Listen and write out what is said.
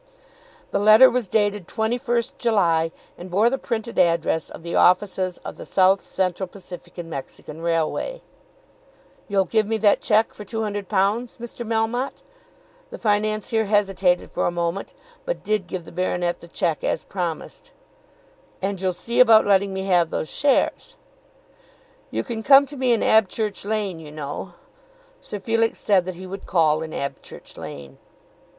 The letter was dated 21st July, and bore the printed address of the offices of the South Central Pacific and Mexican Railway. "You'll give me that cheque for £200, Mr. Melmotte?" The financier hesitated for a moment, but did give the baronet the cheque as promised. "And you'll see about letting me have those shares?" "You can come to me in Abchurch Lane, you know." Sir Felix said that he would call in Abchurch Lane.